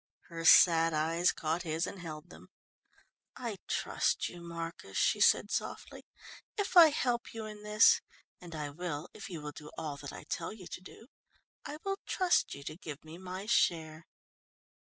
Her sad eyes caught his and held them. "I trust you, Marcus," she said softly. "If I help you in this and I will if you will do all that I tell you to do I will trust you to give me my share."